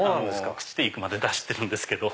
朽ちていくまで出してるんですけど。